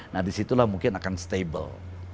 nah disitulah mungkin akan stable